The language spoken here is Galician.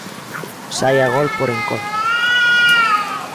Sae a gol por encontro.